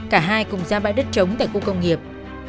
cả hai cùng ra bãi đất trống tại khu công nghiệp